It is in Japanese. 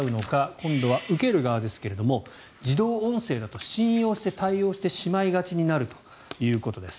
今度は受ける側ですが自動音声だと信用して対応してしまいがちになるということです。